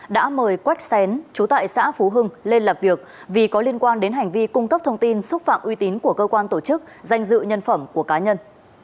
đã mời quách xén chú tại xã phú hưng lên làm việc vì có liên quan đến hành vi cung cấp thông tin xúc phạm uy tín của cơ quan tổ chức danh dự nhân phẩm của cá nhân